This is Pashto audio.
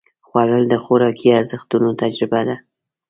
خوړل د خوراکي ارزښتونو تجربه ده